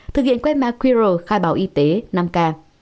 thực hiện quét mã qr khai báo y tế năm k